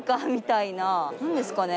何ですかね？